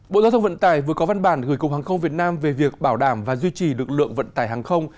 bộ giao thông vận tài vừa có văn bản gửi cùng hàng không việt nam về việc bảo đảm và duy trì lực lượng vận tài hàng không